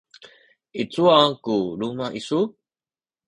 i cuwa ku luma’ isu?